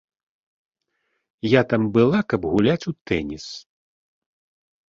Я там была, каб гуляць у тэніс.